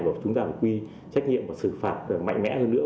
buộc chúng ta phải quy trách nhiệm và xử phạt mạnh mẽ hơn nữa